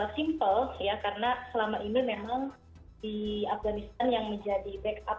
simple ya karena selama ini memang di afganistan yang menjadi backup